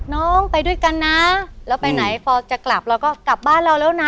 น้องไปด้วยกันนะแล้วไปไหนพอจะกลับเราก็กลับบ้านเราแล้วนะ